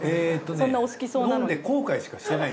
そんなお好きそうなのに。